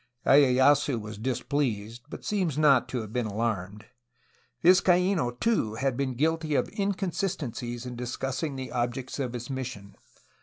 lyeyasu was dis pleased, but seems not to have been alarmed. Vizcaino, too, had been guilty of inconsistencies in discuss ing the objects of his mission.